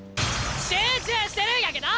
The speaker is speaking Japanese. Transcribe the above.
集中してるんやけど！